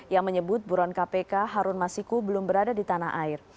yang menyebut buron kpk harun masiku belum berada di tanah air